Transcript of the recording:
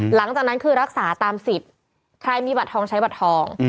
หลังจากนั้นคือรักษาตามสิทธิ์ใครมีบัตรทองใช้บัตรทอง